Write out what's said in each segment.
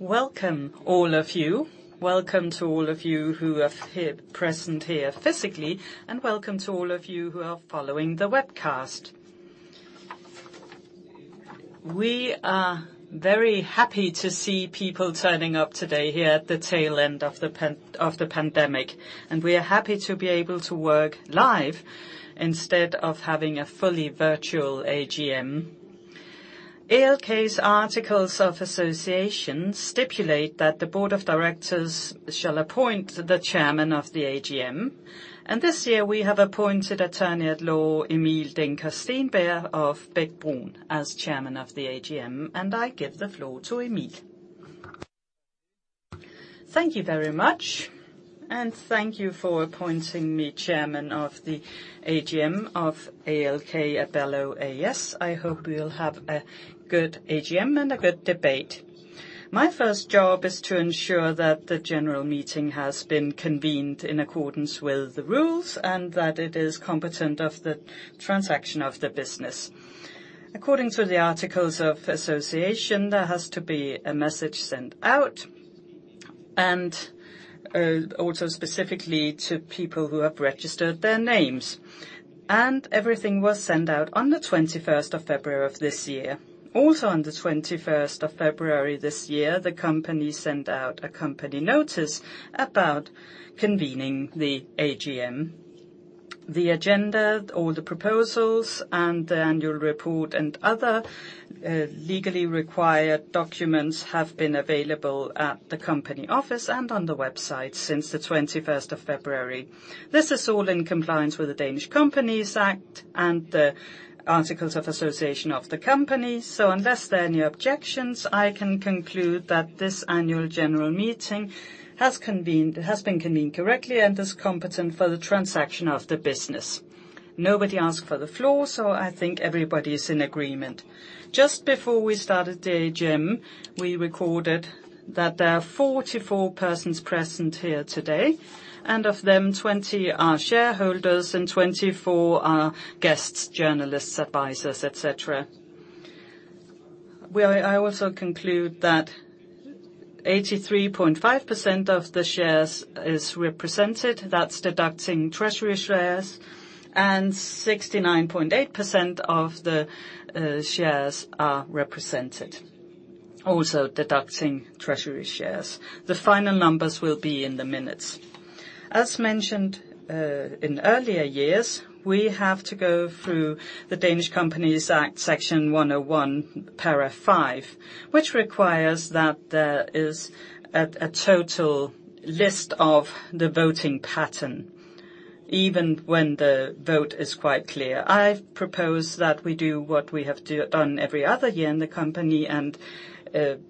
Welcome all of you. Welcome to all of you who are here, present here physically, and welcome to all of you who are following the webcast. We are very happy to see people turning up today here at the tail end of the pandemic, and we are happy to be able to work live instead of having a fully virtual AGM. ALK's articles of association stipulate that the board of directors shall appoint the chairman of the AGM, and this year we have appointed Attorney at Law, Emil Denker-Stenbæk of Bech-Bruun as Chairman of the AGM. I give the floor to Emil. Thank you very much, and thank you for appointing me Chairman of the AGM of ALK-Abelló A/S. I hope we'll have a good AGM and a good debate. My first job is to ensure that the general meeting has been convened in accordance with the rules, and that it is competent of the transaction of the business. According to the articles of association, there has to be a message sent out and also specifically to people who have registered their names. Everything was sent out on the 21st of February of this year. Also on the 21st of February this year, the company sent out a company notice about convening the AGM. The agenda, all the proposals, and the annual report and other legally required documents have been available at the company office and on the website since the 21st of February. This is all in compliance with the Danish Companies Act and the articles of association of the company. Unless there are any objections, I can conclude that this annual general meeting has been convened correctly and is competent for the transaction of the business. Nobody asked for the floor, so I think everybody is in agreement. Just before we start the AGM, we recorded that there are 44 persons present here today, and of them 20 are shareholders and 24 are guests, journalists, advisors, et cetera. I also conclude that 83.5% of the shares is represented. That's deducting treasury shares, and 69.8% of the shares are represented, also deducting treasury shares. The final numbers will be in the minutes. As mentioned in earlier years, we have to go through the Danish Companies Act, Section 101(5), which requires that there is a total list of the voting pattern, even when the vote is quite clear. I propose that we do what we have done every other year in the company and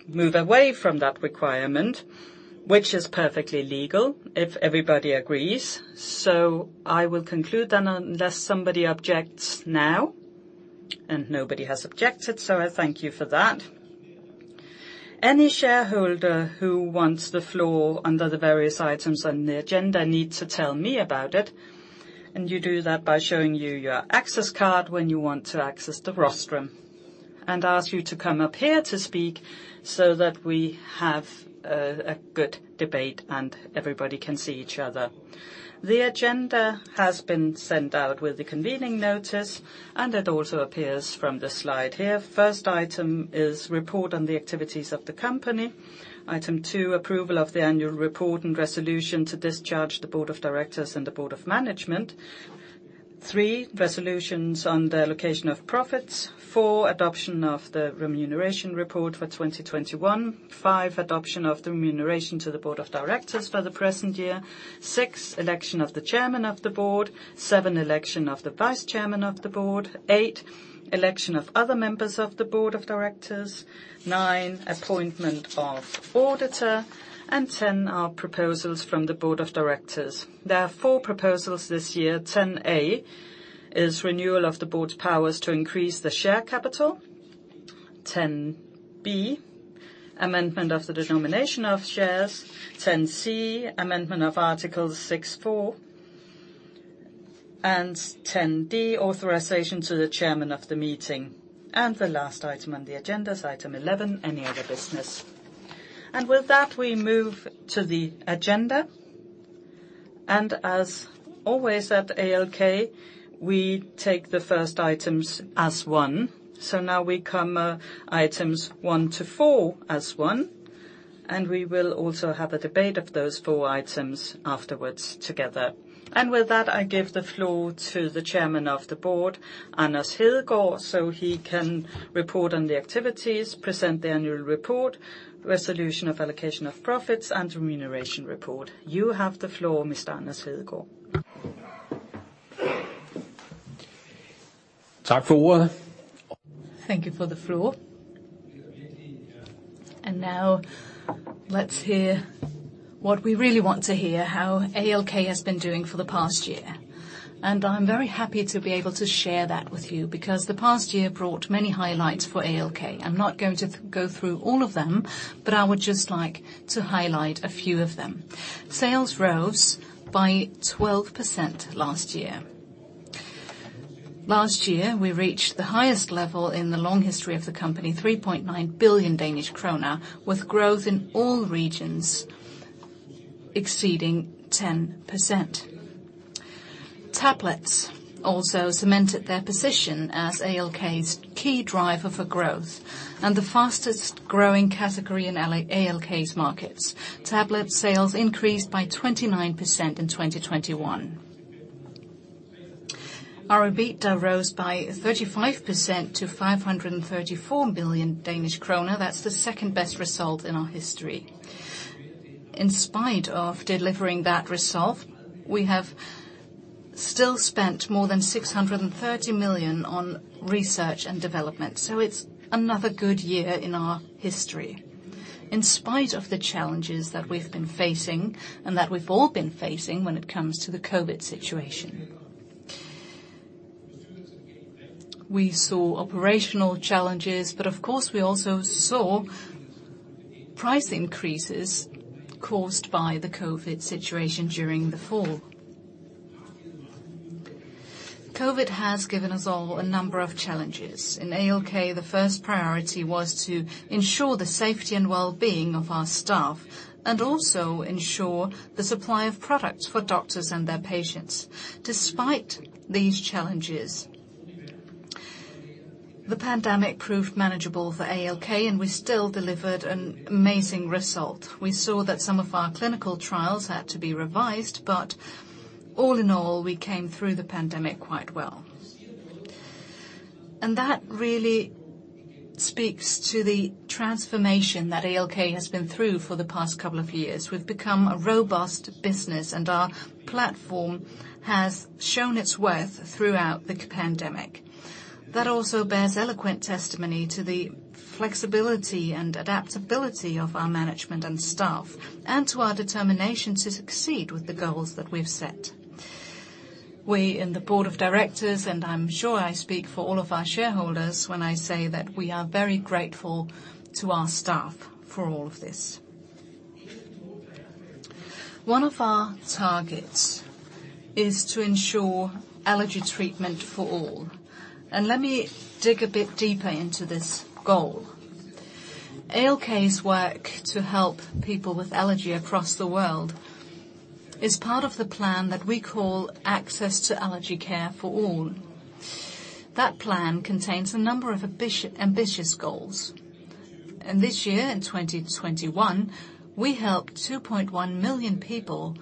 move away from that requirement, which is perfectly legal if everybody agrees. I will conclude then, unless somebody objects now, and nobody has objected, so I thank you for that. Any shareholder who wants the floor under the various items on the agenda need to tell me about it, and you do that by showing your access card when you want to access the rostrum. I ask you to come up here to speak so that we have a good debate and everybody can see each other. The agenda has been sent out with the convening notice, and it also appears from the slide here. First item is report on the activities of the company. Item two, approval of the annual report and resolution to discharge the Board of Directors and the Board of Management. Three, resolutions on the allocation of profits. Four, adoption of the remuneration report for 2021. Five, adoption of the remuneration to the Board of Directors for the present year. Six, election of the Chairman of the Board. Seven, election of the Vice Chairman of the Board. Eight, election of other members of the Board of Directors. Nine, appointment of auditor. 10 are proposals from the Board of Directors. There are four proposals this year. 10-A is renewal of the Board's powers to increase the share capital. 10-B, amendment of the denomination of shares. 10-C, amendment of Article 6.4. 10-D, authorization to the Chairman of the meeting. The last item on the agenda is item 11, any other business. With that, we move to the agenda. As always at ALK, we take the first items as one. Now we come items one to four as one, and we will also have a debate of those four items afterwards together. With that, I give the floor to the Chairman of the Board, Anders Hedegaard, so he can report on the activities, present the annual report, resolution of allocation of profits, and remuneration report. You have the floor, Mr. Anders Hedegaard. Thank you for the floor. Now let's hear what we really want to hear, how ALK has been doing for the past year. I'm very happy to be able to share that with you because the past year brought many highlights for ALK. I'm not going to go through all of them, but I would just like to highlight a few of them. Sales rose by 12% last year. Last year, we reached the highest level in the long history of the company, 3.9 billion Danish krone, with growth in all regions exceeding 10%. Tablets also cemented their position as ALK's key driver for growth and the fastest-growing category in ALK's markets. Tablet sales increased by 29% in 2021. Our EBITDA rose by 35% to 534 million Danish kroner. That's the second-best result in our history. In spite of delivering that result, we have still spent more than 630 million on research and development. It's another good year in our history, in spite of the challenges that we've been facing and that we've all been facing when it comes to the COVID situation. We saw operational challenges, but of course, we also saw price increases caused by the COVID situation during the fall. COVID has given us all a number of challenges. In ALK, the first priority was to ensure the safety and well-being of our staff and also ensure the supply of products for doctors and their patients. Despite these challenges, the pandemic proved manageable for ALK, and we still delivered an amazing result. We saw that some of our clinical trials had to be revised, but all in all, we came through the pandemic quite well. That really speaks to the transformation that ALK has been through for the past couple of years. We've become a robust business, and our platform has shown its worth throughout the pandemic. That also bears eloquent testimony to the flexibility and adaptability of our management and staff and to our determination to succeed with the goals that we've set. We in the board of directors, and I'm sure I speak for all of our shareholders when I say that we are very grateful to our staff for all of this. One of our targets is to ensure allergy treatment for all, and let me dig a bit deeper into this goal. ALK's work to help people with allergy across the world is part of the plan that we call Access to Allergy Care for All. That plan contains a number of ambitious goals. This year, in 2021, we helped 2.1 million people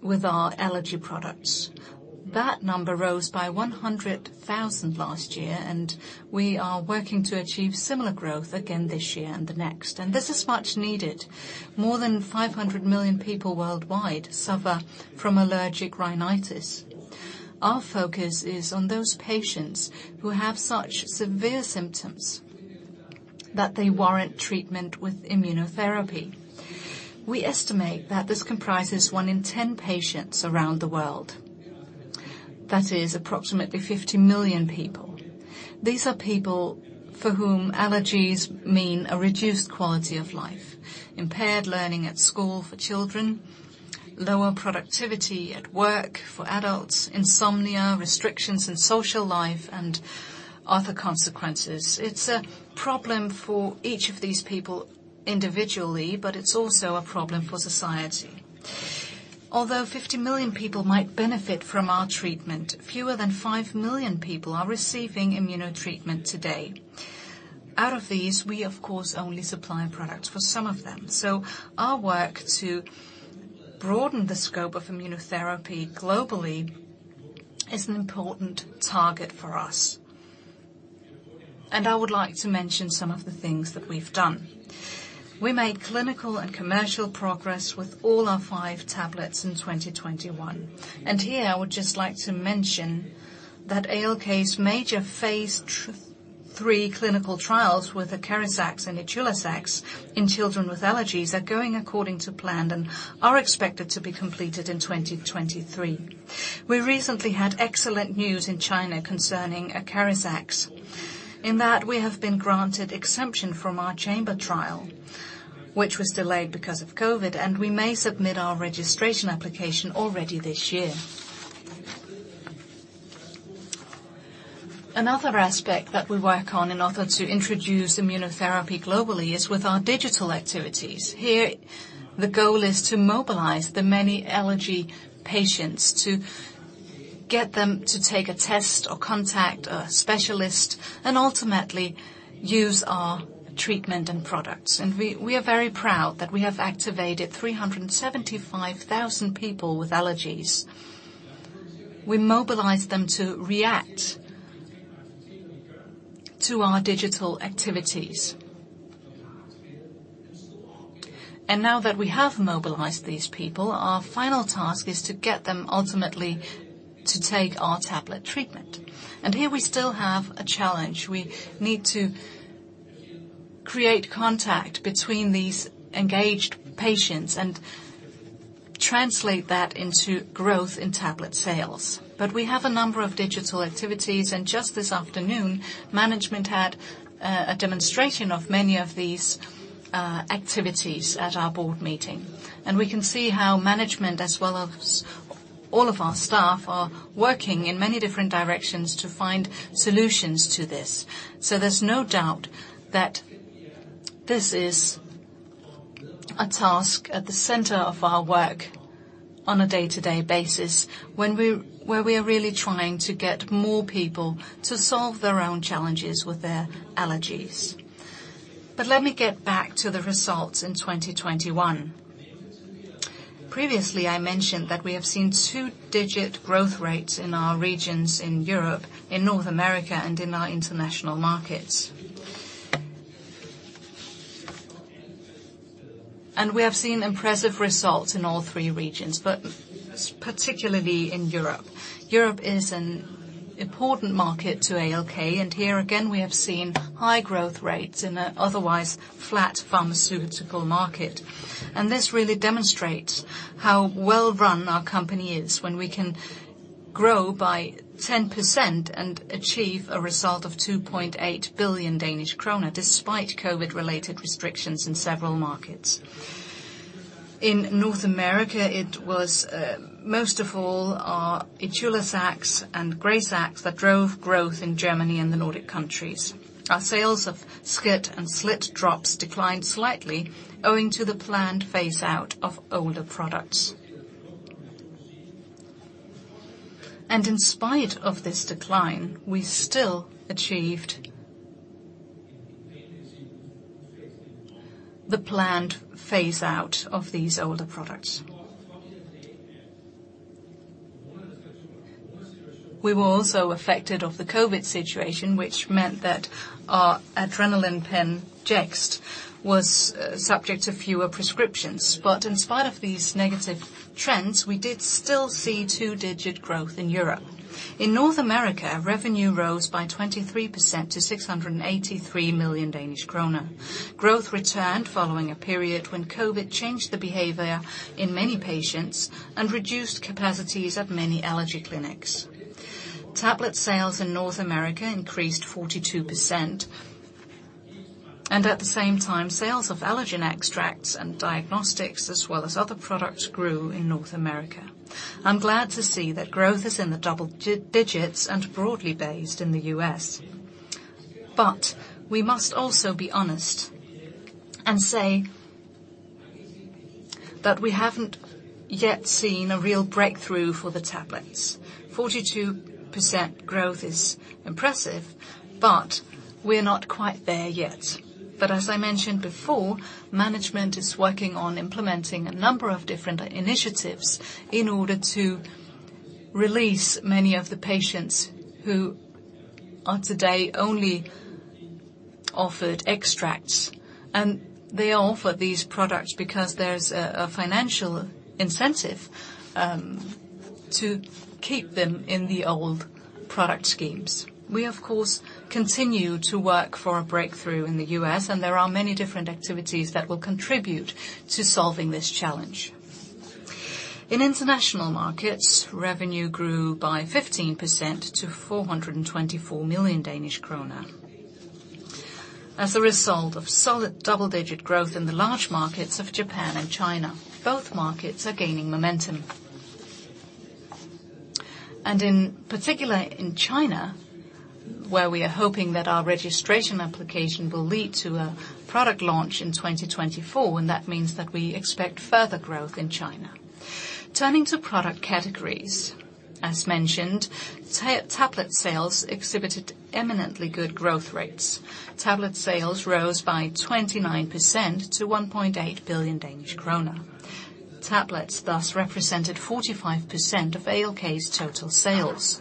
with our allergy products. That number rose by 100,000 last year, and we are working to achieve similar growth again this year and the next. This is much needed. More than 500 million people worldwide suffer from allergic rhinitis. Our focus is on those patients who have such severe symptoms that they warrant treatment with immunotherapy. We estimate that this comprises one in ten patients around the world. That is approximately 50 million people. These are people for whom allergies mean a reduced quality of life, impaired learning at school for children, lower productivity at work for adults, insomnia, restrictions in social life, and other consequences. It's a problem for each of these people individually, but it's also a problem for society. Although 50 million people might benefit from our treatment, fewer than 5 million people are receiving immunotherapy today. Out of these, we of course only supply products for some of them. Our work to broaden the scope of immunotherapy globally is an important target for us. I would like to mention some of the things that we've done. We made clinical and commercial progress with all our five tablets in 2021. Here I would just like to mention that ALK's major phase III clinical trials with ACARIZAX and ITULAZAX in children with allergies are going according to plan and are expected to be completed in 2023. We recently had excellent news in China concerning ACARIZAX, in that we have been granted exemption from our chamber trial, which was delayed because of COVID, and we may submit our registration application already this year. Another aspect that we work on in order to introduce immunotherapy globally is with our digital activities. Here, the goal is to mobilize the many allergy patients to get them to take a test or contact a specialist and ultimately use our treatment and products. We are very proud that we have activated 375,000 people with allergies. We mobilize them to react to our digital activities. Now that we have mobilized these people, our final task is to get them ultimately to take our tablet treatment. Here we still have a challenge. We need to create contact between these engaged patients and translate that into growth in tablet sales. We have a number of digital activities, and just this afternoon, management had a demonstration of many of these activities at our board meeting. We can see how management as well as all of our staff are working in many different directions to find solutions to this. There's no doubt that this is a task at the center of our work on a day-to-day basis, when we are really trying to get more people to solve their own challenges with their allergies. Let me get back to the results in 2021. Previously, I mentioned that we have seen two-digit growth rates in our regions in Europe, in North America, and in our international markets. We have seen impressive results in all three regions, but particularly in Europe. Europe is an important market to ALK, and here again, we have seen high growth rates in an otherwise flat pharmaceutical market. This really demonstrates how well-run our company is when we can grow by 10% and achieve a result of 2.8 billion Danish krone, despite COVID-related restrictions in several markets. In North America, it was most of all our Itulazax and GRAZAX that drove growth in Germany and the Nordic countries. Our sales of SCIT and SLIT-drops declined slightly owing to the planned phase-out of older products. In spite of this decline, we still achieved the planned phase-out of these older products. We were also affected by the COVID situation, which meant that our adrenaline pen, JEXT, was subject to fewer prescriptions. In spite of these negative trends, we did still see two-digit growth in Europe. In North America, revenue rose by 23% to 683 million Danish kroner. Growth returned following a period when COVID changed the behavior in many patients and reduced capacities at many allergy clinics. Tablet sales in North America increased 42%, and at the same time, sales of allergen extracts and diagnostics, as well as other products, grew in North America. I'm glad to see that growth is in the double digits and broadly based in the U.S. We must also be honest and say that we haven't yet seen a real breakthrough for the tablets. 42% growth is impressive, but we're not quite there yet. As I mentioned before, management is working on implementing a number of different initiatives in order to release many of the patients who are today only offered extracts. They offer these products because there's a financial incentive to keep them in the old product schemes. We, of course, continue to work for a breakthrough in the U.S., and there are many different activities that will contribute to solving this challenge. In international markets, revenue grew by 15% to 424 million Danish kroner as a result of solid double-digit growth in the large markets of Japan and China. Both markets are gaining momentum. In particular, in China, where we are hoping that our registration application will lead to a product launch in 2024, and that means that we expect further growth in China. Turning to product categories, as mentioned, tablet sales exhibited eminently good growth rates. Tablet sales rose by 29% to 1.8 billion Danish kroner. Tablets, thus, represented 45% of ALK's total sales.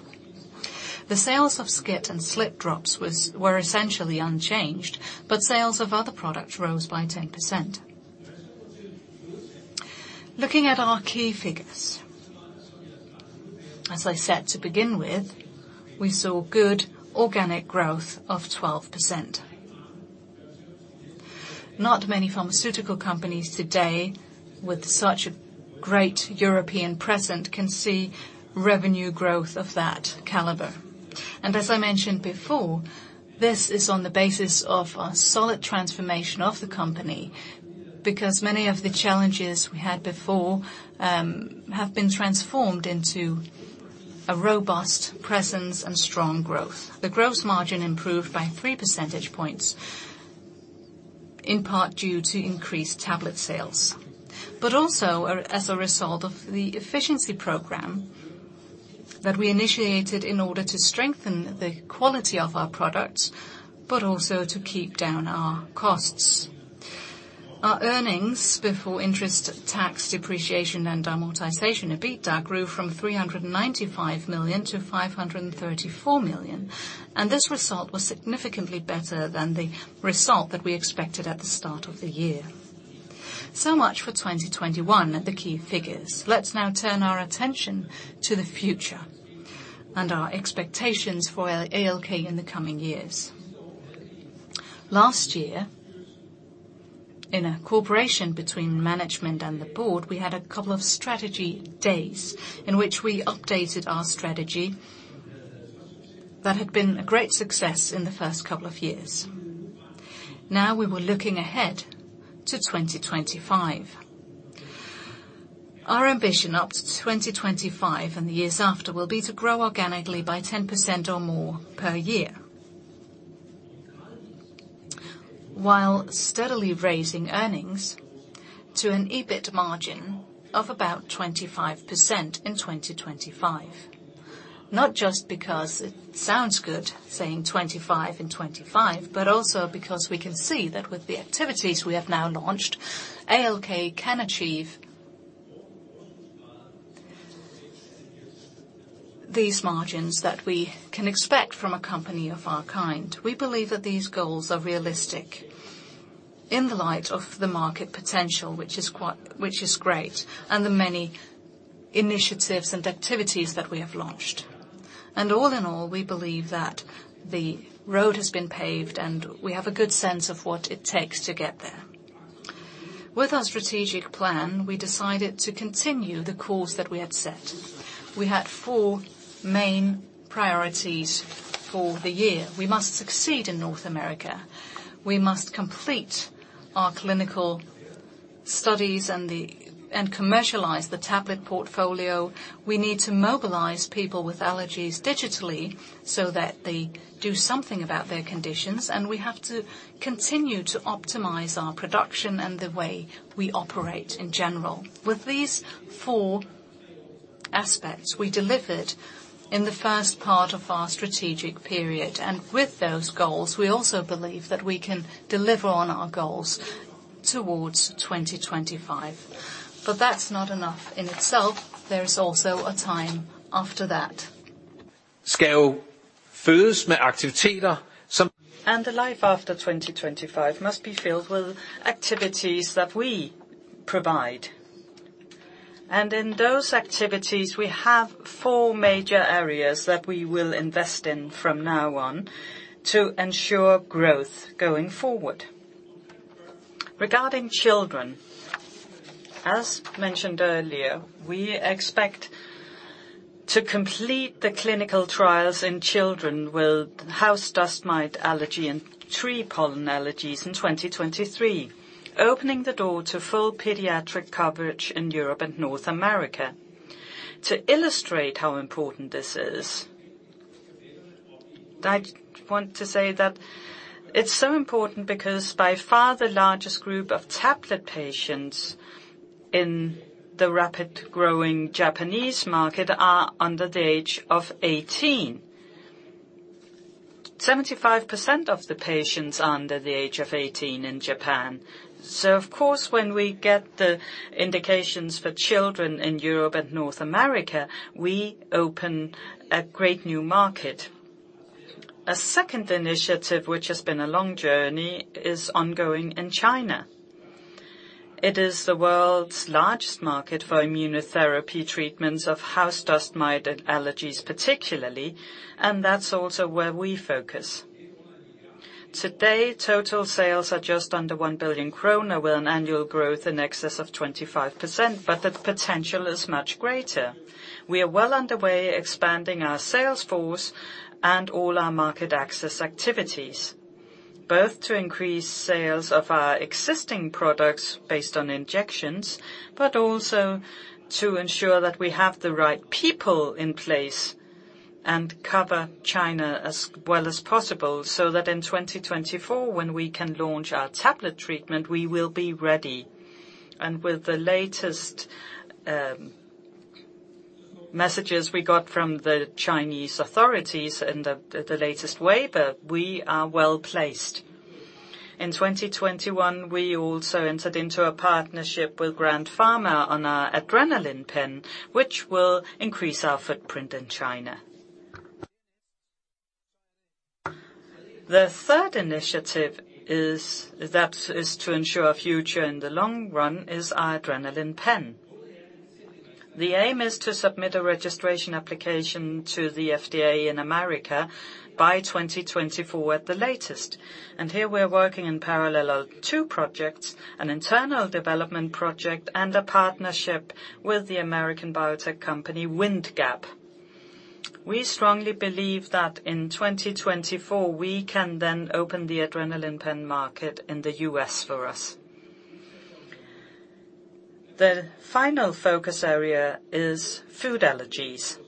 The sales of SCIT and SLIT drops were essentially unchanged, but sales of other products rose by 10%. Looking at our key figures. As I said to begin with, we saw good organic growth of 12%. Not many pharmaceutical companies today with such a great European presence can see revenue growth of that caliber. As I mentioned before, this is on the basis of a solid transformation of the company, because many of the challenges we had before have been transformed into a robust presence and strong growth. The gross margin improved by 3 percentage points, in part due to increased tablet sales, but also as a result of the efficiency program that we initiated in order to strengthen the quality of our products, but also to keep down our costs. Our earnings before interest tax depreciation and amortization, EBITDA, grew from 395 million to 534 million, and this result was significantly better than the result that we expected at the start of the year. Much for 2021, the key figures. Let's now turn our attention to the future and our expectations for ALK in the coming years. Last year, in a cooperation between management and the board, we had a couple of strategy days in which we updated our strategy that had been a great success in the first couple of years. Now we were looking ahead to 2025. Our ambition up to 2025 and the years after will be to grow organically by 10% or more per year. While steadily raising earnings to an EBIT margin of about 25% in 2025, not just because it sounds good saying 25 in 2025, but also because we can see that with the activities we have now launched, ALK can achieve these margins that we can expect from a company of our kind. We believe that these goals are realistic in the light of the market potential, which is great, and the many initiatives and activities that we have launched. All in all, we believe that the road has been paved, and we have a good sense of what it takes to get there. With our strategic plan, we decided to continue the course that we had set. We had four main priorities for the year. We must succeed in North America. We must complete our clinical studies and commercialize the tablet portfolio. We need to mobilize people with allergies digitally so that they do something about their conditions. We have to continue to optimize our production and the way we operate in general. With these four aspects we delivered in the first part of our strategic period. With those goals, we also believe that we can deliver on our goals towards 2025. That's not enough in itself. There's also a time after that. The life after 2025 must be filled with activities that we provide. In those activities, we have four major areas that we will invest in from now on to ensure growth going forward. Regarding children, as mentioned earlier, we expect to complete the clinical trials in children with house dust mite allergy and tree pollen allergies in 2023, opening the door to full pediatric coverage in Europe and North America. To illustrate how important this is, I want to say that it's so important because by far, the largest group of tablet patients in the rapid growing Japanese market are under the age of 18. 75% of the patients are under the age of 18 in Japan. Of course, when we get the indications for children in Europe and North America, we open a great new market. A second initiative, which has been a long journey, is ongoing in China. It is the world's largest market for immunotherapy treatments of house dust mite allergies, particularly, and that's also where we focus. Today, total sales are just under 1 billion kroner, with an annual growth in excess of 25%, but the potential is much greater. We are well underway expanding our sales force and all our market access activities, both to increase sales of our existing products based on injections, but also to ensure that we have the right people in place and cover China as well as possible, so that in 2024, when we can launch our tablet treatment, we will be ready. With the latest messages we got from the Chinese authorities in the latest waiver, we are well-placed. In 2021, we also entered into a partnership with Grand Pharma on our adrenaline pen, which will increase our footprint in China. The third initiative is to ensure a future in the long run is our adrenaline pen. The aim is to submit a registration application to the FDA in America by 2024 at the latest. Here we're working in parallel on two projects, an internal development project and a partnership with the American biotech company, Windgap. We strongly believe that in 2024, we can then open the adrenaline pen market in the U.S. for us. The final focus area is food allergies.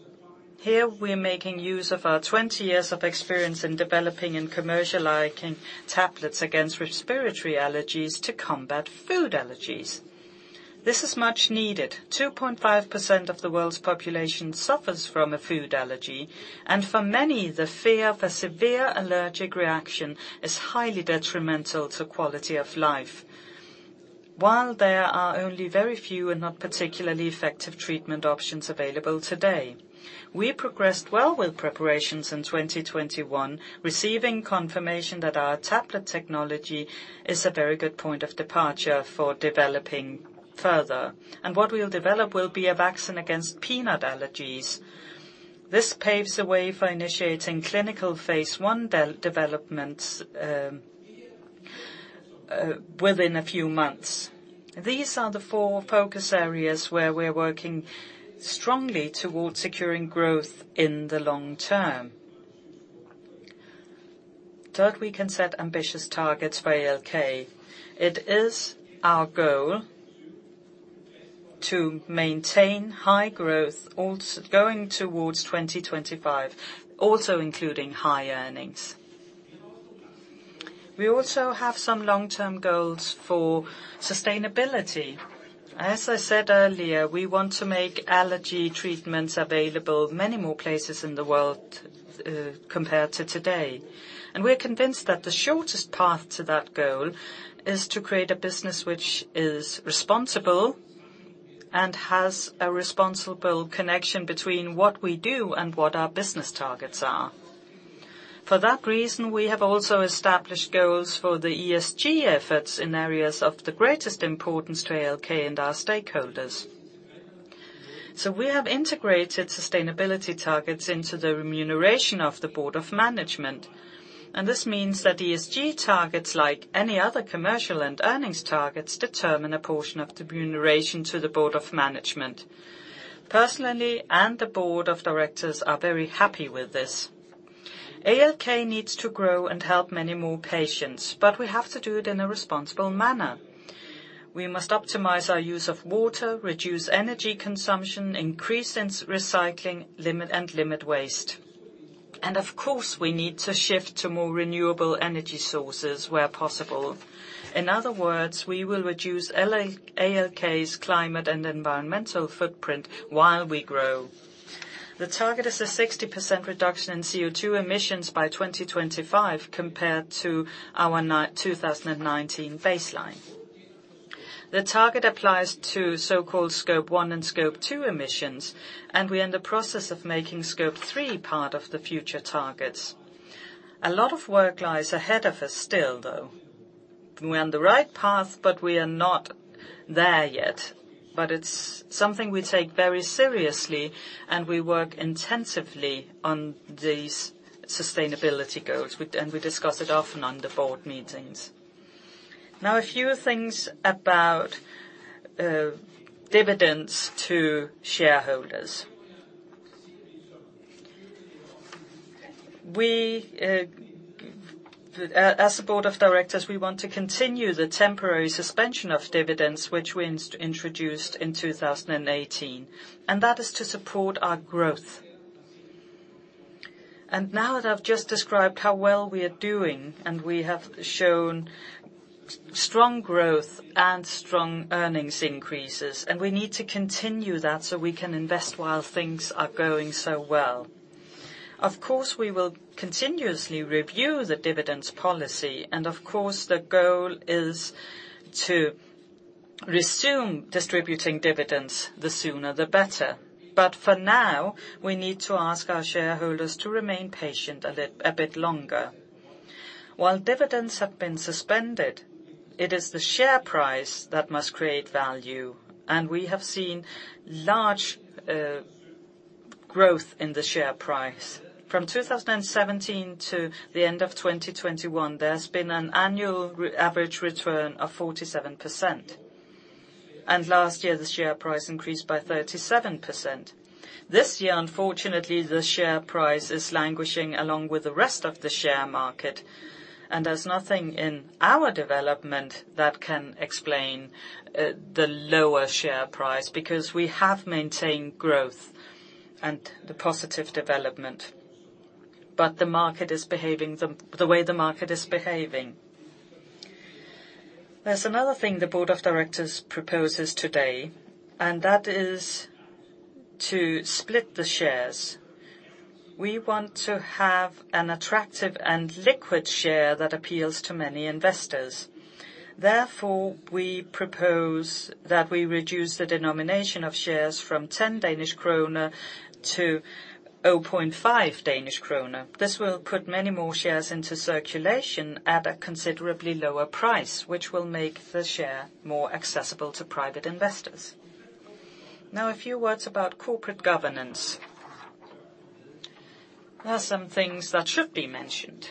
Here we're making use of our 20 years of experience in developing and commercializing tablets against respiratory allergies to combat food allergies. This is much needed. 2.5% of the world's population suffers from a food allergy, and for many, the fear of a severe allergic reaction is highly detrimental to quality of life. While there are only very few and not particularly effective treatment options available today. We progressed well with preparations in 2021, receiving confirmation that our tablet technology is a very good point of departure for developing further. What we'll develop will be a vaccine against peanut allergies. This paves the way for initiating clinical phase I developments within a few months. These are the four focus areas where we're working strongly towards securing growth in the long term. Third, we can set ambitious targets for ALK. It is our goal to maintain high growth also going towards 2025, also including high earnings. We also have some long-term goals for sustainability. As I said earlier, we want to make allergy treatments available many more places in the world, compared to today, and we're convinced that the shortest path to that goal is to create a business which is responsible and has a responsible connection between what we do and what our business targets are. For that reason, we have also established goals for the ESG efforts in areas of the greatest importance to ALK and our stakeholders. We have integrated sustainability targets into the remuneration of the Board of Management, and this means that ESG targets, like any other commercial and earnings targets, determine a portion of the remuneration to the Board of Management. Personally, and the Board of Directors are very happy with this. ALK needs to grow and help many more patients, but we have to do it in a responsible manner. We must optimize our use of water, reduce energy consumption, increase recycling, limit waste. Of course, we need to shift to more renewable energy sources where possible. In other words, we will reduce ALK's climate and environmental footprint while we grow. The target is a 60% reduction in CO2 emissions by 2025 compared to our 2019 baseline. The target applies to so-called Scope 1 and Scope 2 emissions, and we're in the process of making Scope 3 part of the future targets. A lot of work lies ahead of us still, though. We're on the right path, but we are not there yet. It's something we take very seriously, and we work intensively on these sustainability goals, and we discuss it often on the board meetings. Now a few things about dividends to shareholders. We, as a board of directors, we want to continue the temporary suspension of dividends, which we introduced in 2018, and that is to support our growth. Now that I've just described how well we are doing, and we have shown strong growth and strong earnings increases, and we need to continue that so we can invest while things are going so well. Of course, we will continuously review the dividends policy, and of course, the goal is to resume distributing dividends, the sooner the better. For now, we need to ask our shareholders to remain patient a bit longer. While dividends have been suspended, it is the share price that must create value, and we have seen large growth in the share price. From 2017 to the end of 2021, there has been an annual average return of 47%, and last year the share price increased by 37%. This year, unfortunately, the share price is languishing along with the rest of the share market and there's nothing in our development that can explain the lower share price because we have maintained growth and the positive development. The market is behaving the way the market is behaving. There's another thing the board of directors proposes today, and that is to split the shares. We want to have an attractive and liquid share that appeals to many investors. Therefore, we propose that we reduce the denomination of shares from 10 Danish kroner to 0.5 Danish kroner. This will put many more shares into circulation at a considerably lower price, which will make the share more accessible to private investors. Now a few words about corporate governance. There are some things that should be mentioned.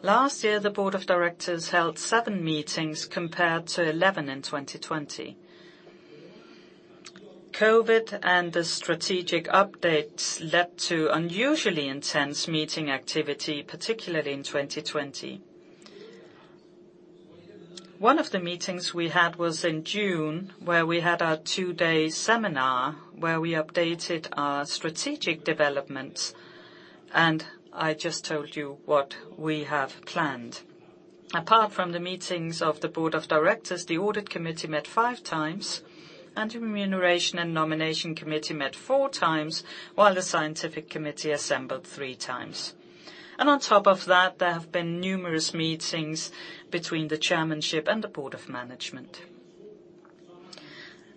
Last year, the Board of Directors held seven meetings compared to 11 in 2020. COVID and the strategic updates led to unusually intense meeting activity, particularly in 2020. One of the meetings we had was in June, where we had our two-day seminar, where we updated our strategic developments, and I just told you what we have planned. Apart from the meetings of the Board of Directors, the Audit Committee met five times, and the Remuneration and Nomination Committee met four times, while the Scientific Committee assembled three times. On top of that, there have been numerous meetings between the Chairmanship and the Board of Management.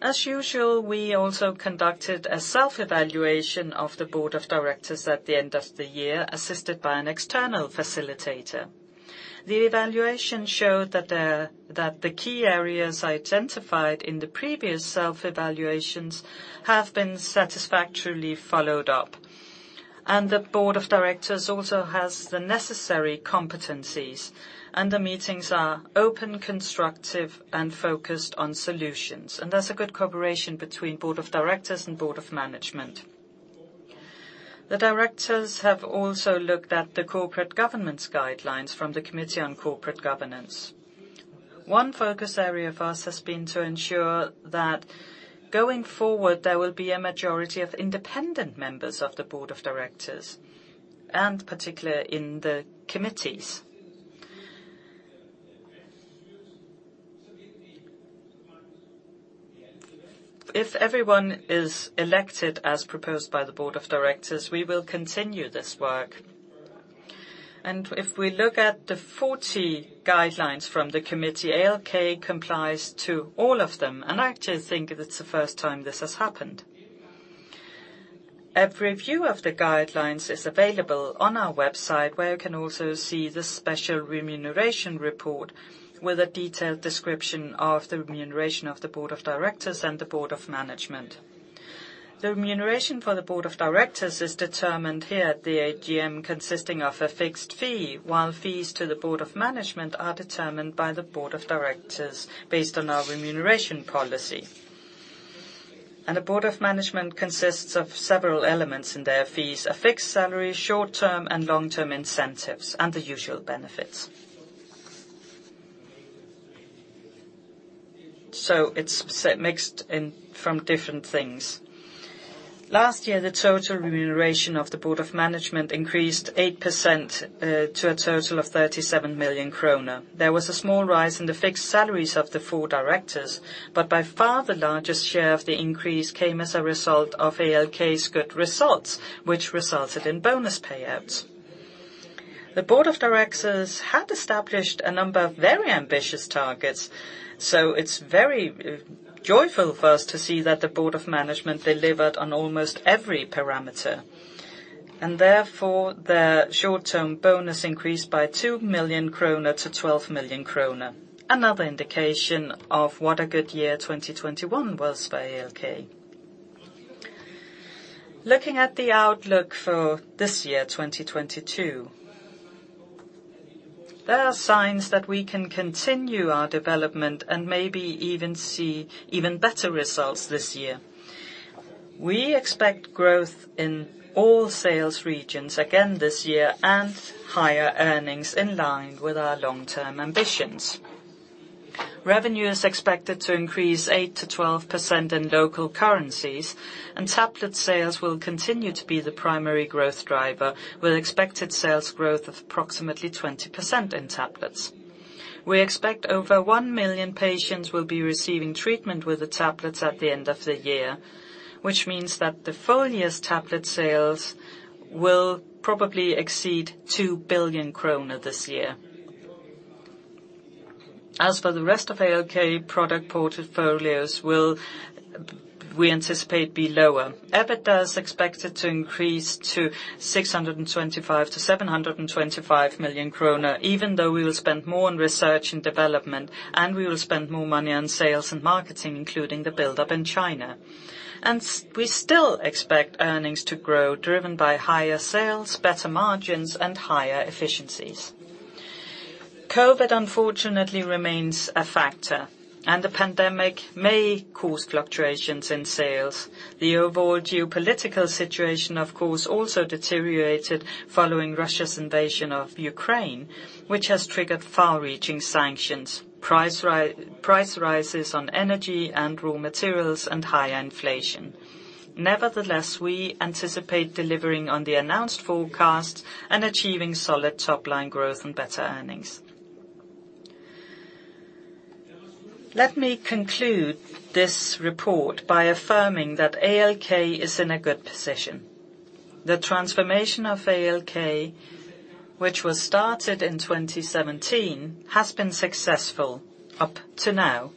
As usual, we also conducted a self-evaluation of the Board of Directors at the end of the year, assisted by an external facilitator. The evaluation showed that the key areas identified in the previous self-evaluations have been satisfactorily followed up. The Board of Directors also has the necessary competencies, and the meetings are open, constructive, and focused on solutions. There's a good cooperation between Board of Directors and Board of Management. The Directors have also looked at the corporate governance guidelines from the Committee on Corporate Governance. One focus area of us has been to ensure that going forward, there will be a majority of independent members of the Board of Directors, and particularly in the committees. If everyone is elected as proposed by the Board of Directors, we will continue this work. If we look at the 40 guidelines from the Committee, ALK complies to all of them, and I actually think that it's the first time this has happened. A review of the guidelines is available on our website, where you can also see the special remuneration report with a detailed description of the remuneration of the Board of Directors and the Board of Management. The remuneration for the board of directors is determined here at the AGM consisting of a fixed fee, while fees to the Board of Management are determined by the Board of Directors based on our remuneration policy. The Board of Management consists of several elements in their fees, a fixed salary, short-term and long-term incentives, and the usual benefits. It's mixed in from different things. Last year, the total remuneration of the Board of Management increased 8%, to a total of 37 million kroner. There was a small rise in the fixed salaries of the four directors, but by far the largest share of the increase came as a result of ALK's good results, which resulted in bonus payouts. The Board of Directors had established a number of very ambitious targets, so it's very joyful for us to see that the Board of Management delivered on almost every parameter, and therefore their short-term bonus increased by 2 million kroner to 12 million kroner. Another indication of what a good year 2021 was for ALK. Looking at the outlook for this year, 2022, there are signs that we can continue our development and maybe even see even better results this year. We expect growth in all sales regions again this year and higher earnings in line with our long-term ambitions. Revenue is expected to increase 8%-12% in local currencies, and tablet sales will continue to be the primary growth driver with expected sales growth of approximately 20% in tablets. We expect over 1 million patients will be receiving treatment with the tablets at the end of the year, which means that the full year's tablet sales will probably exceed 2 billion kroner this year. As for the rest of ALK's product portfolio, we anticipate it will be lower. EBITDA is expected to increase to 625 million-725 million kroner, even though we will spend more on research and development, and we will spend more money on sales and marketing, including the buildup in China. We still expect earnings to grow, driven by higher sales, better margins, and higher efficiencies. COVID, unfortunately remains a factor, and the pandemic may cause fluctuations in sales. The overall geopolitical situation, of course, also deteriorated following Russia's invasion of Ukraine, which has triggered far-reaching sanctions, price rises on energy and raw materials and higher inflation. Nevertheless, we anticipate delivering on the announced forecast and achieving solid top-line growth and better earnings. Let me conclude this report by affirming that ALK is in a good position. The transformation of ALK, which was started in 2017, has been successful up to now.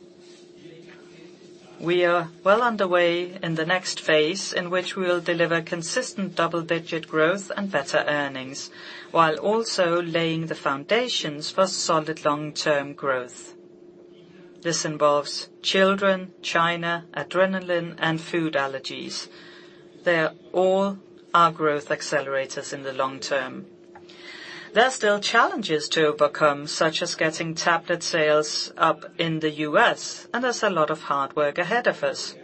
We are well on the way in the next phase in which we will deliver consistent double-digit growth and better earnings, while also laying the foundations for solid long-term growth. This involves children, China, adrenaline, and food allergies. They all are growth accelerators in the long term. There are still challenges to overcome, such as getting tablet sales up in the U.S., and there's a lot of hard work ahead of us.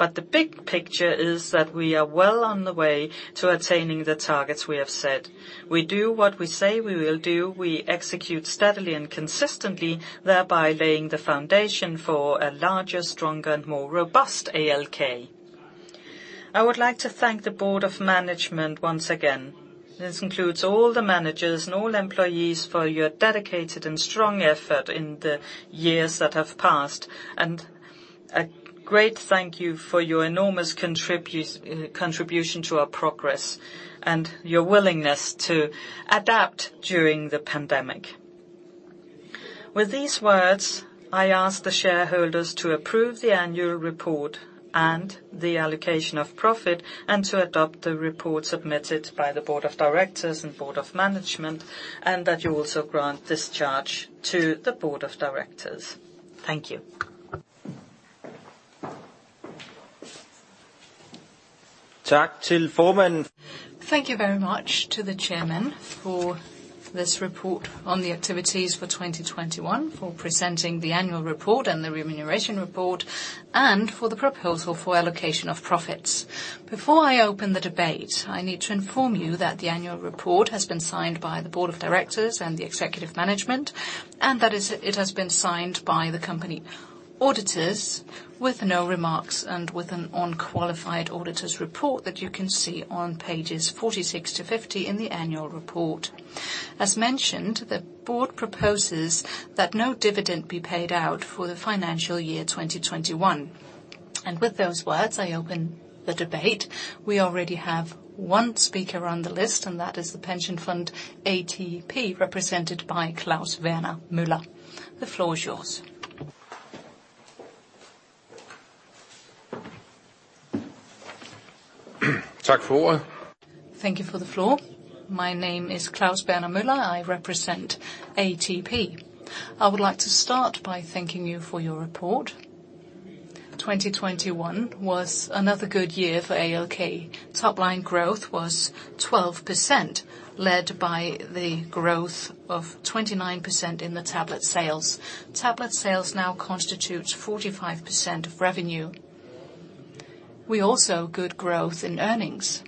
But the big picture is that we are well on the way to attaining the targets we have set. We do what we say we will do. We execute steadily and consistently, thereby laying the foundation for a larger, stronger, and more robust ALK. I would like to thank the Board of Management once again. This includes all the managers and all employees for your dedicated and strong effort in the years that have passed. A great thank you for your enormous contribution to our progress and your willingness to adapt during the pandemic. With these words, I ask the shareholders to approve the annual report and the allocation of profit and to adopt the report submitted by the Board of Directors and Board of Management, and that you also grant this charge to the Board of Directors. Thank you. Thank you very much to the Chairman for this report on the activities for 2021, for presenting the annual report and the remuneration report. For the proposal for allocation of profits. Before I open the debate, I need to inform you that the annual report has been signed by the board of directors and the executive management, and that it has been signed by the company auditors with no remarks and with an unqualified auditor's report that you can see on pages 46-50 in the annual report. As mentioned, the board proposes that no dividend be paid out for the financial year 2021. With those words, I open the debate. We already have one speaker on the list, and that is the pension fund ATP, represented by Klaus Werner Müller. The floor is yours. Thank you for the floor. My name is Klaus Werner Müller. I represent ATP. I would like to start by thanking you for your report. 2021 was another good year for ALK. Top line growth was 12%, led by the growth of 29% in the tablet sales. Tablet sales now constitutes 45% of revenue. We also had good growth in earnings.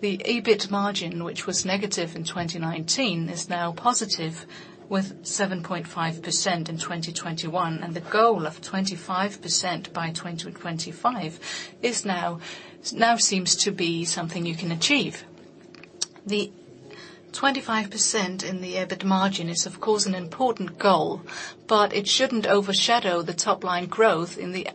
The EBIT margin, which was negative in 2019, is now positive with 7.5% in 2021, and the goal of 25% by 2025 now seems to be something you can achieve. The 25% in the EBIT margin is of course an important goal, but it shouldn't overshadow the top line growth in the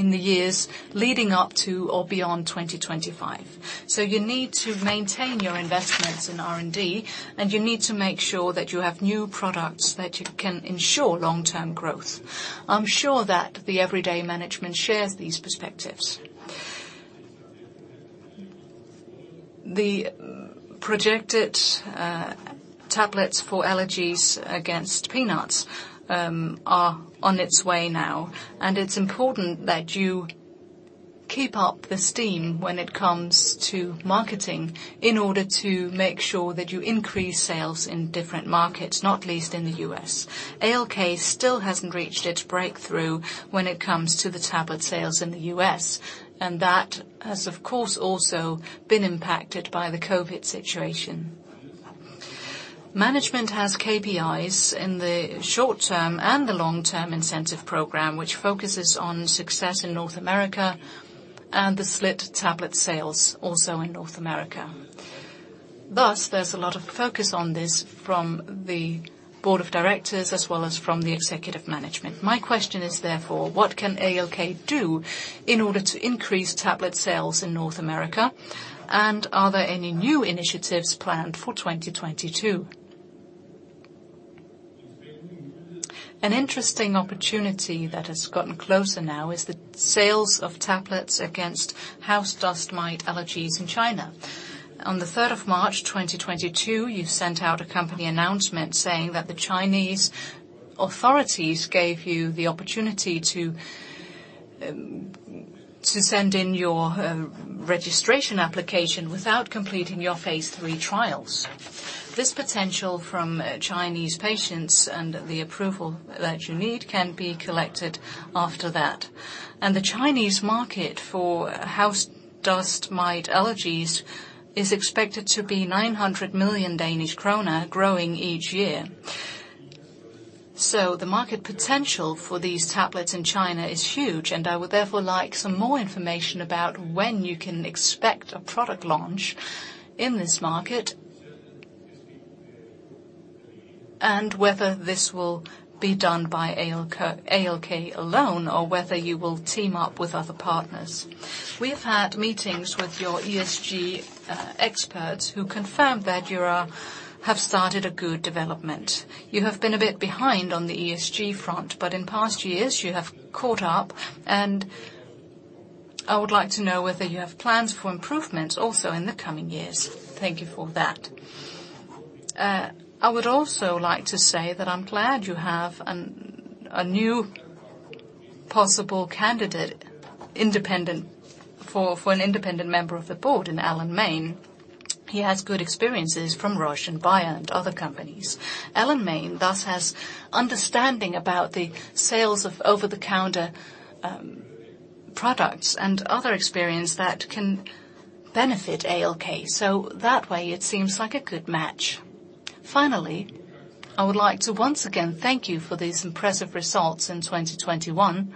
years leading up to or beyond 2025. You need to maintain your investments in R&D, and you need to make sure that you have new products that you can ensure long-term growth. I'm sure that the everyday management shares these perspectives. The projected tablets for allergies against peanuts are on its way now, and it's important that you keep up the steam when it comes to marketing in order to make sure that you increase sales in different markets, not least in the U.S. ALK still hasn't reached its breakthrough when it comes to the tablet sales in the U.S., and that has of course also been impacted by the COVID situation. Management has KPIs in the short term and the long-term incentive program, which focuses on success in North America and the slit tablet sales also in North America. Thus, there's a lot of focus on this from the board of directors as well as from the executive management. My question is therefore, what can ALK do in order to increase tablet sales in North America? Are there any new initiatives planned for 2022? An interesting opportunity that has gotten closer now is the sales of tablets against house dust mite allergies in China. On the 3rd of March, 2022, you sent out a company announcement saying that the Chinese authorities gave you the opportunity to send in your registration application without completing your phase III trials. This potential from Chinese patients and the approval that you need can be collected after that. The Chinese market for house dust mite allergies is expected to be 900 million Danish kroner growing each year. The market potential for these tablets in China is huge, and I would therefore like some more information about when you can expect a product launch in this market and whether this will be done by ALK alone, or whether you will team up with other partners. We have had meetings with your ESG experts who confirmed that you have started a good development. You have been a bit behind on the ESG front, but in past years, you have caught up, and I would like to know whether you have plans for improvement also in the coming years. Thank you for that. I would also like to say that I'm glad you have a new possible candidate for an independent member of the board in Alan Main. He has good experiences from Roche and Bayer and other companies. Alan Main thus has understanding about the sales of over-the-counter products and other experience that can benefit ALK. That way it seems like a good match. Finally, I would like to once again thank you for these impressive results in 2021,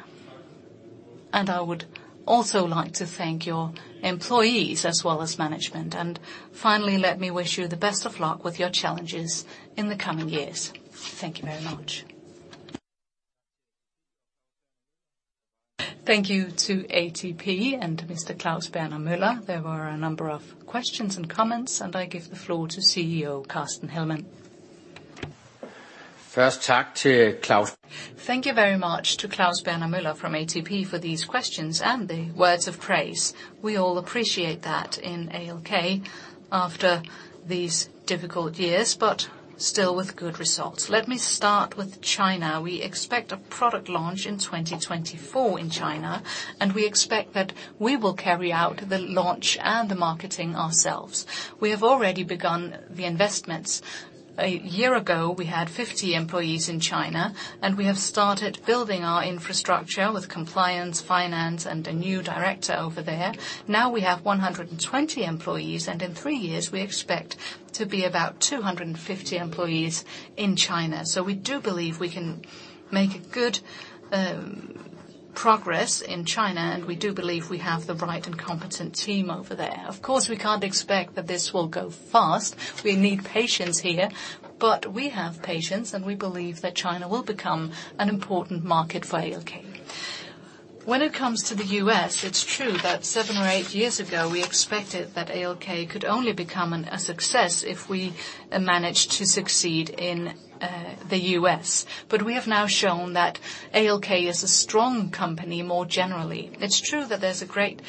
and I would also like to thank your employees as well as management. Finally, let me wish you the best of luck with your challenges in the coming years. Thank you very much. Thank you to ATP and Mr. Klaus Werner Müller. There were a number of questions and comments, and I give the floor to CEO Carsten Hellmann. Thank you very much to Klaus Werner Müller from ATP for these questions and the words of praise. We all appreciate that in ALK after these difficult years, but still with good results. Let me start with China. We expect a product launch in 2024 in China. We expect that we will carry out the launch and the marketing ourselves. We have already begun the investments. A year ago, we had 50 employees in China, and we have started building our infrastructure with compliance, finance, and a new director over there. Now we have 120 employees, and in three years, we expect to be about 250 employees in China. We do believe we can make good progress in China, and we do believe we have the right and competent team over there. Of course, we can't expect that this will go fast. We need patience here, but we have patience, and we believe that China will become an important market for ALK. When it comes to the U.S., it's true that seven or eight years ago, we expected that ALK could only become a success if we managed to succeed in the U.S. We have now shown that ALK is a strong company more generally. It's true that there's a great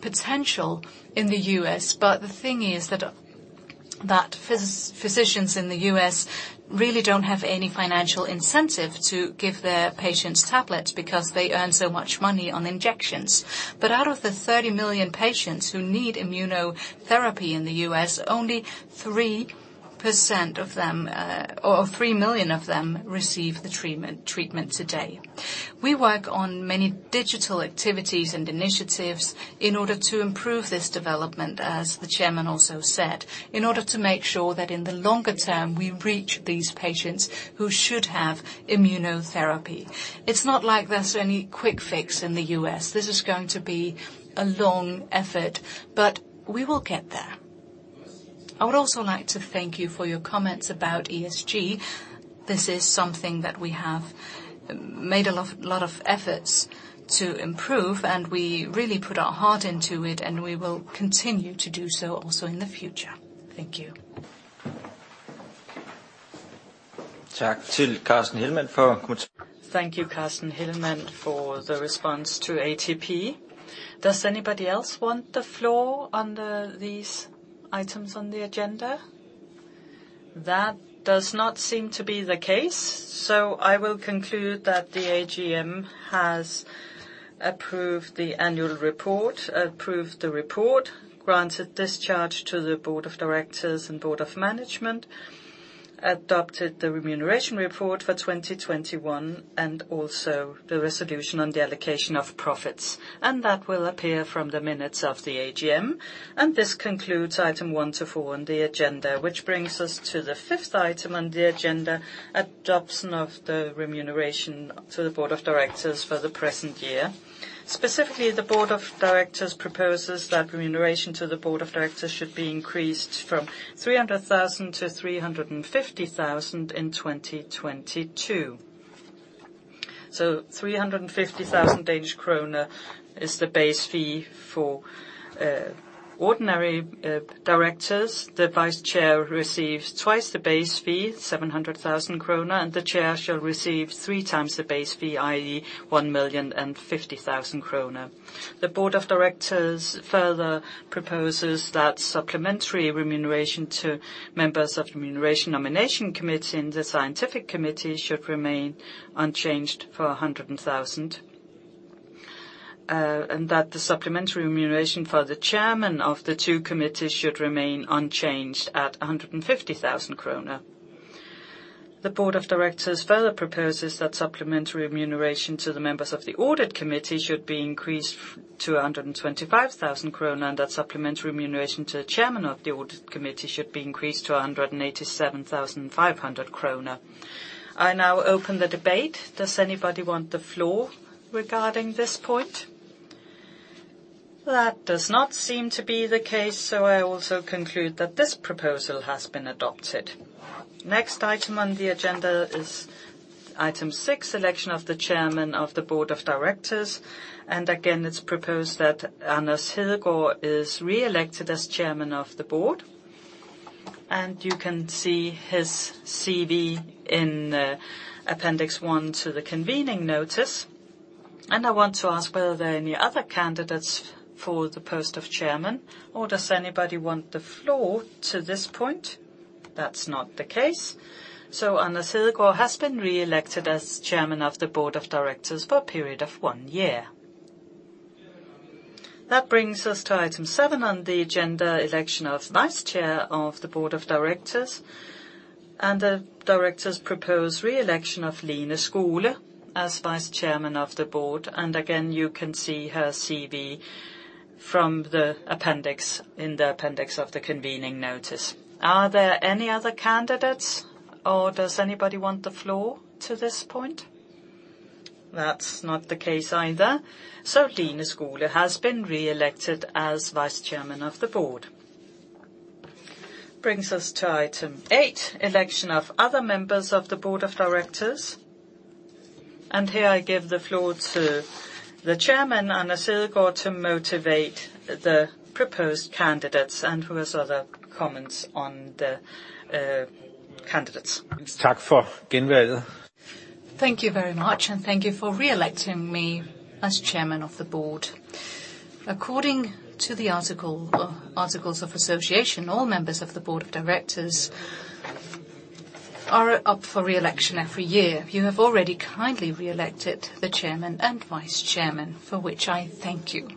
potential in the U.S., but the thing is that physicians in the U.S. really don't have any financial incentive to give their patients tablets because they earn so much money on injections. Out of the 30 million patients who need immunotherapy in the U.S., only 3% of them or three million of them receive the treatment today. We work on many digital activities and initiatives in order to improve this development, as the chairman also said, in order to make sure that in the longer term, we reach these patients who should have immunotherapy. It's not like there's any quick fix in the U.S. This is going to be a long effort, but we will get there. I would also like to thank you for your comments about ESG. This is something that we have made a lot of efforts to improve, and we really put our heart into it, and we will continue to do so also in the future. Thank you. Thank you, Carsten Hellmann, for the response to ATP. Does anybody else want the floor under these items on the agenda? That does not seem to be the case, so I will conclude that the AGM has approved the annual report, approved the report, granted discharge to the board of directors and board of management, adopted the remuneration report for 2021, and also the resolution on the allocation of profits. That will appear from the minutes of the AGM, and this concludes items one to four on the agenda, which brings us to the fifth item on the agenda, adoption of the remuneration to the board of directors for the present year. Specifically, the board of directors proposes that remuneration to the board of directors should be increased from 300,000 to 350,000 in 2022. 350 thousand Danish krone is the base fee for ordinary directors. The Vice Chair receives twice the base fee, 700 thousand kroner, and the Chair shall receive three times the base fee, i.e. 1,050 thousand kroner. The Board of Directors further proposes that supplementary remuneration to members of Remuneration Nomination Committee and the Scientific Committee should remain unchanged at 100 thousand, and that the supplementary remuneration for the chairman of the two committees should remain unchanged at 150 thousand kroner. The Board of Directors further proposes that supplementary remuneration to the members of the Audit Committee should be increased to 125 thousand krone, and that supplementary remuneration to the chairman of the Audit Committee should be increased to 187,500 krone. I now open the debate. Does anybody want the floor regarding this point? That does not seem to be the case, so I also conclude that this proposal has been adopted. Next item on the agenda is item six, election of the Chairman of the Board of Directors. Again, it's proposed that Anders Hedegaard is reelected as Chairman of the Board. You can see his CV in appendix one to the convening notice. I want to ask whether there are any other candidates for the post of Chairman, or does anybody want the floor to this point? That's not the case. Anders Hedegaard has been reelected as Chairman of the Board of Directors for a period of one year. That brings us to item seven on the agenda, election of Vice Chairman of the Board of Directors. The directors propose reelection of Lene Skole as Vice Chairman of the Board. Again, you can see her CV from the appendix, in the appendix of the convening notice. Are there any other candidates, or does anybody want the floor to this point? That's not the case either. Lene Skole has been reelected as Vice Chairman of the Board. Brings us to item eight, election of other members of the Board of Directors. Here I give the floor to the Chairman, Anders Hedegaard, to motivate the proposed candidates and who has other comments on the candidates. Thank you very much, and thank you for reelecting me as chairman of the board. According to the article, articles of association, all members of the board of directors are up for re-election every year. You have already kindly re-elected the chairman and vice chairman, for which I thank you.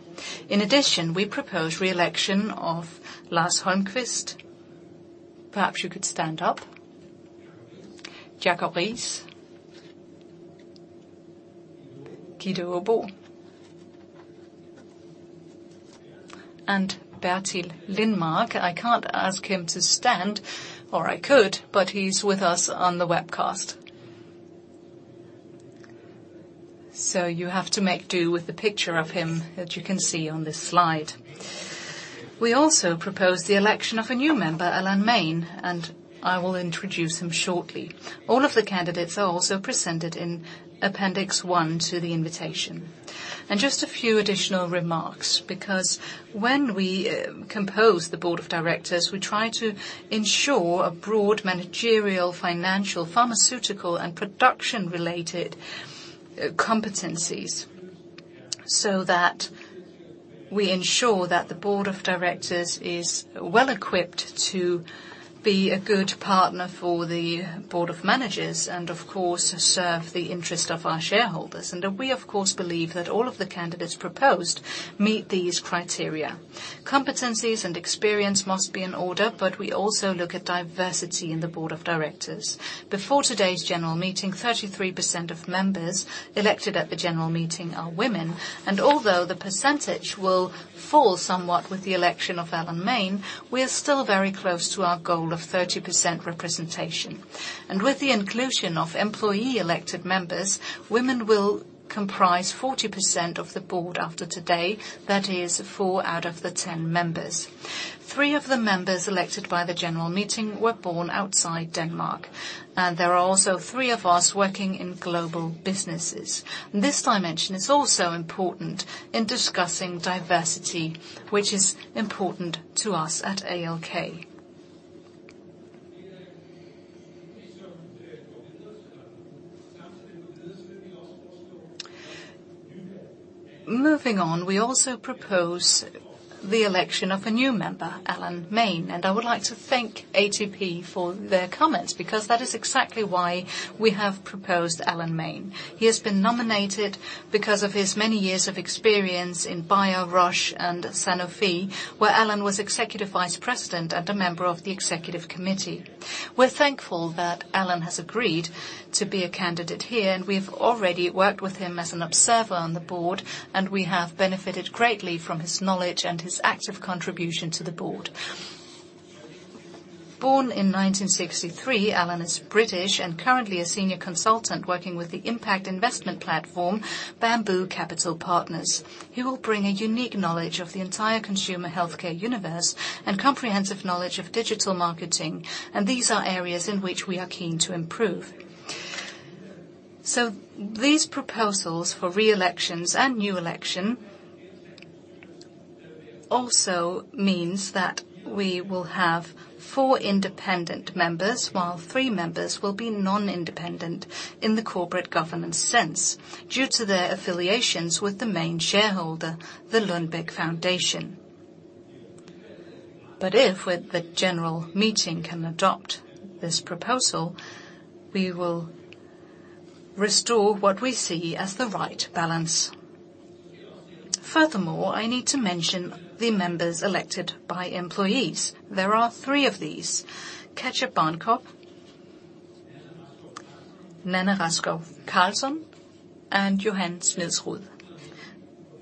In addition, we propose re-election of Lars Holmqvist. Perhaps you could stand up. Jakob Riis. Gitte Aabo. Bertil Lindmark. I can't ask him to stand, or I could, but he's with us on the webcast. You have to make do with the picture of him as you can see on this slide. We also propose the election of a new member, Alan Main, and I will introduce him shortly. All of the candidates are also presented in Appendix 1 to the invitation. Just a few additional remarks, because when we compose the board of directors, we try to ensure a broad managerial, financial, pharmaceutical, and production-related competencies, so that we ensure that the board of directors is well-equipped to be a good partner for the board of managers and, of course, serve the interest of our shareholders. We, of course, believe that all of the candidates proposed meet these criteria. Competencies and experience must be in order, but we also look at diversity in the board of directors. Before today's general meeting, 33% of members elected at the general meeting are women, and although the percentage will fall somewhat with the election of Alan Main, we are still very close to our goal of 30% representation. With the inclusion of employee-elected members, women will comprise 40% of the board after today. That is four out of the 10 members. Three of the members elected by the general meeting were born outside Denmark, and there are also three of us working in global businesses. This dimension is also important in discussing diversity, which is important to us at ALK. Moving on, we also propose the election of a new member, Alan Main, and I would like to thank ATP for their comments because that is exactly why we have proposed Alan Main. He has been nominated because of his many years of experience in Bayer, Roche, and Sanofi, where Alan was Executive Vice President and a member of the executive committee. We're thankful that Alan has agreed to be a candidate here, and we've already worked with him as an observer on the board, and we have benefited greatly from his knowledge and his active contribution to the board. Born in 1963, Alan Main is British and currently a senior consultant working with the impact investment platform, Bamboo Capital Partners. He will bring a unique knowledge of the entire consumer healthcare universe and comprehensive knowledge of digital marketing, and these are areas in which we are keen to improve. These proposals for re-elections and new election also means that we will have four independent members, while three members will be non-independent in the corporate governance sense due to their affiliations with the main shareholder, the Lundbeck Foundation. If the general meeting can adopt this proposal, we will restore what we see as the right balance. Furthermore, I need to mention the members elected by employees. There are three of these. Katja Barnkob, Nanna Carlson, and Johan Smedsrud.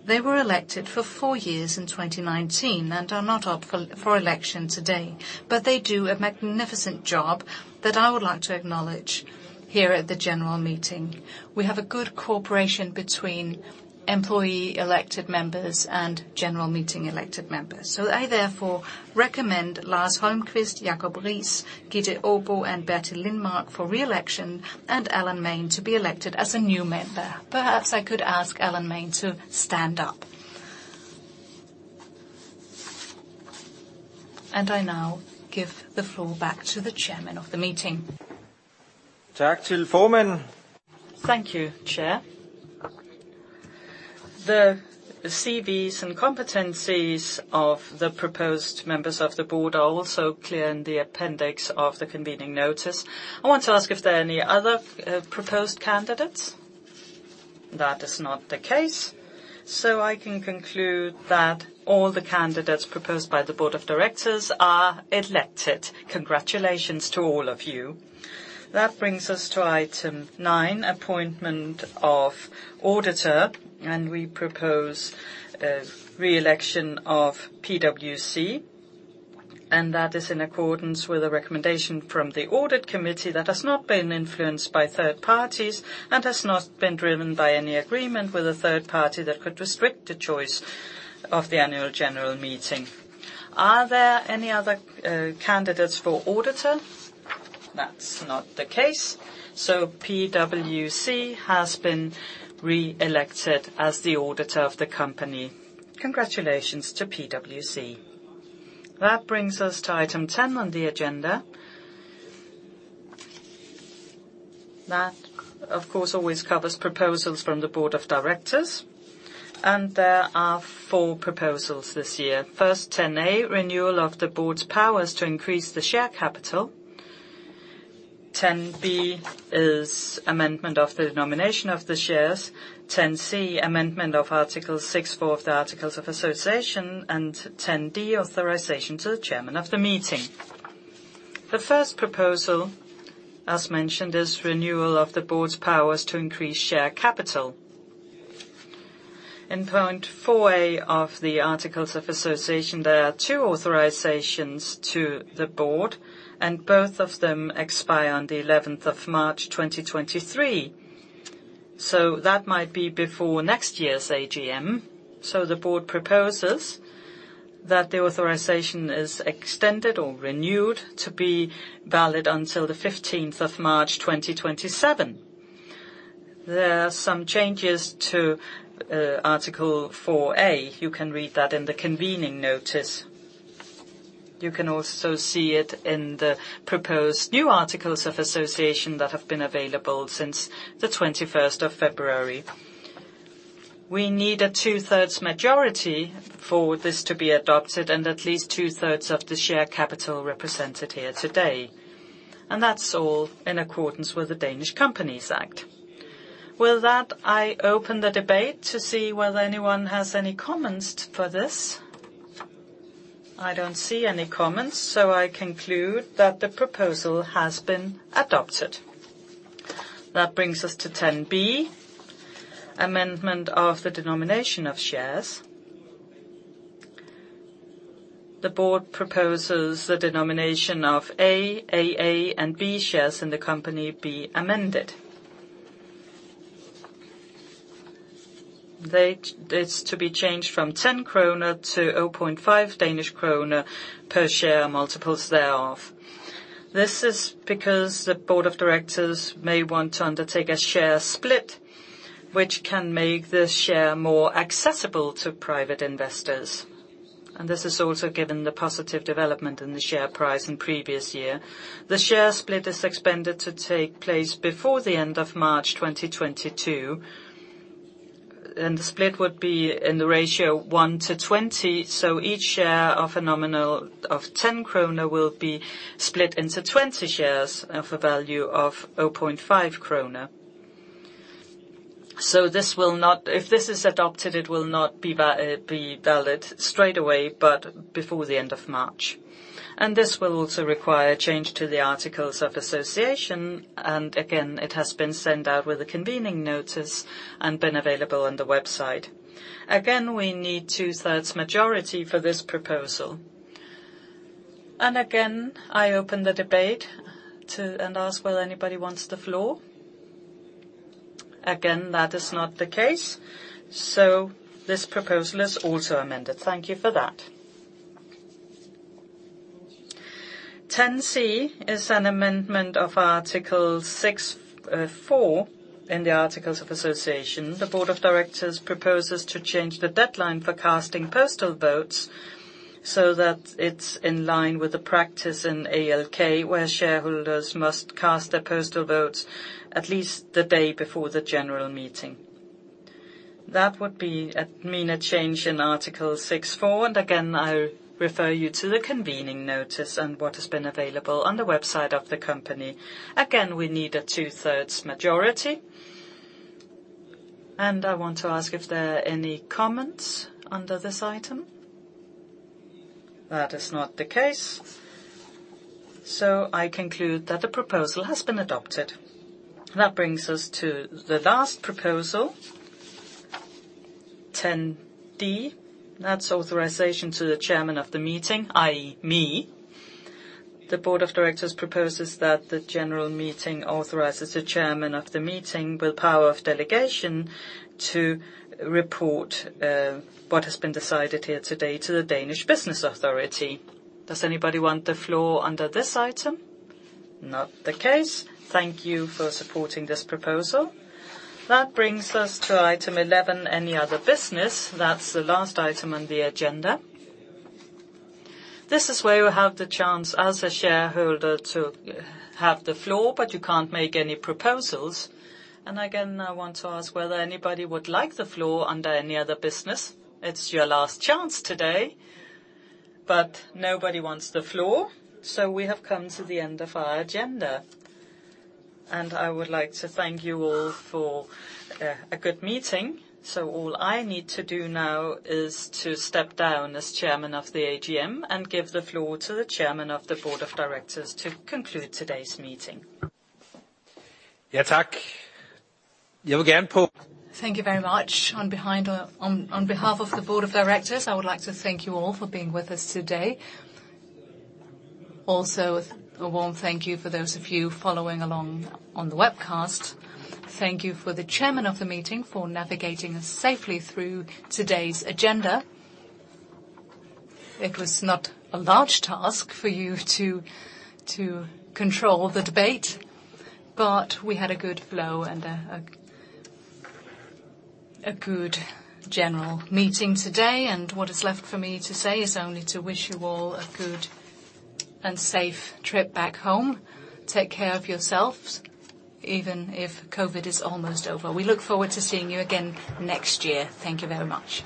They were elected for four years in 2019 and are not up for election today, but they do a magnificent job that I would like to acknowledge here at the general meeting. We have a good cooperation between employee-elected members and general meeting-elected members. I therefore recommend Lars Holmqvist, Jakob Riis, Gitte Aabo, and Bertil Lindmark for re-election and Alan Main to be elected as a new member. Perhaps I could ask Alan Main to stand up. I now give the floor back to the chairman of the meeting. Thank you, Chair. The CVs and competencies of the proposed members of the board are also clear in the appendix of the convening notice. I want to ask if there are any other proposed candidates. That is not the case. I can conclude that all the candidates proposed by the board of directors are elected. Congratulations to all of you. That brings us to item nine, appointment of auditor, and we propose a re-election of PwC, and that is in accordance with a recommendation from the Audit Committee that has not been influenced by third parties and has not been driven by any agreement with a third party that could restrict the choice of the annual general meeting. Are there any other candidates for auditor? That's not the case. PwC has been re-elected as the auditor of the company. Congratulations to PwC. That brings us to item 10 on the agenda. That, of course, always covers proposals from the board of directors, and there are four proposals this year. First, 10A, renewal of the board's powers to increase the share capital. 10B is amendment of the denomination of the shares. 10C, amendment of Article 6.4 of the Articles of Association, and 10D, authorization to the chairman of the meeting. The first proposal, as mentioned, is renewal of the board's powers to increase share capital. In Article 4a of the Articles of Association, there are two authorizations to the board, and both of them expire on the 11th of March, 2023. That might be before next year's AGM. The board proposes that the authorization is extended or renewed to be valid until the 15th of March, 2027. There are some changes to Article 4a. You can read that in the convening notice. You can also see it in the proposed new articles of association that have been available since the 21st of February. We need a two-thirds majority for this to be adopted and at least two-thirds of the share capital represented here today. That's all in accordance with the Danish Companies Act. With that, I open the debate to see whether anyone has any comments for this. I don't see any comments, so I conclude that the proposal has been adopted. That brings us to 10B, amendment of the denomination of shares. The board proposes the denomination of A, AA, and B shares in the company be amended. It's to be changed from 10 kroner to 0.5 Danish kroner per share multiples thereof. This is because the board of directors may want to undertake a share split which can make the share more accessible to private investors. This is also given the positive development in the share price in previous year. The share split is expected to take place before the end of March 2022, and the split would be in the ratio one to 20, so each share of a nominal of 10 kroner will be split into 20 shares of a value of 0.5 kroner. If this is adopted, it will not be valid straight away, but before the end of March. This will also require a change to the articles of association. Again, it has been sent out with a convening notice and been available on the website. Again, we need two-thirds majority for this proposal. Again, I open the debate and ask whether anybody wants the floor. Again, that is not the case. This proposal is also amended. Thank you for that. 10C is an amendment of Article 6.4 in the Articles of Association. The Board of Directors proposes to change the deadline for casting postal votes so that it's in line with the practice in ALK, where shareholders must cast their postal votes at least the day before the general meeting. That would mean a change in Article 6.4. Again, I refer you to the convening notice and what has been available on the website of the company. Again, we need a two-thirds majority. I want to ask if there are any comments under this item. That is not the case. I conclude that the proposal has been adopted. That brings us to the last proposal, 10D. That's authorization to the chairman of the meeting, i.e., me. The board of directors proposes that the general meeting authorizes the chairman of the meeting with power of delegation to report what has been decided here today to the Danish Business Authority. Does anybody want the floor under this item? Not the case. Thank you for supporting this proposal. That brings us to item 11, any other business. That's the last item on the agenda. This is where you have the chance as a shareholder to have the floor, but you can't make any proposals. Again, I want to ask whether anybody would like the floor under any other business. It's your last chance today. Nobody wants the floor, so we have come to the end of our agenda. I would like to thank you all for a good meeting. All I need to do now is to step down as chairman of the AGM and give the floor to the Chairman of the Board of Directors to conclude today's meeting. Thank you very much. On behalf of the board of directors, I would like to thank you all for being with us today. Also, a warm thank you for those of you following along on the webcast. Thank you for the chairman of the meeting for navigating us safely through today's agenda. It was not a large task for you to control the debate, but we had a good flow and a good general meeting today. What is left for me to say is only to wish you all a good and safe trip back home. Take care of yourselves, even if COVID is almost over. We look forward to seeing you again next year. Thank you very much.